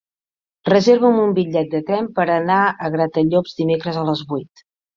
Reserva'm un bitllet de tren per anar a Gratallops dimecres a les vuit.